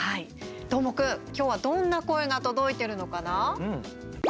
どーもくん、きょうはどんな声が届いているのかな？